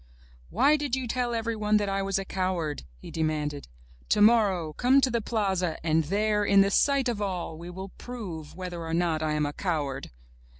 "Why did you tell everyone that I was a coward?'' he demanded. ''Tomorrow come to the plaza and there, in the sight of all, we will prove whether or not I am a coward!"